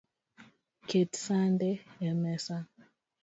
Ket sande emesa